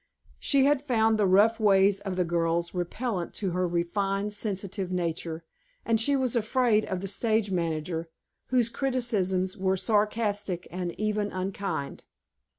She had found the rough ways of the girls repellent to her refined, sensitive nature, and she was afraid of the stage manager, whose criticisms were sarcastic and even unkind.